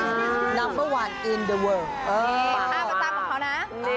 นี่ท่าประจำของเขานะ